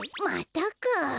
またかん？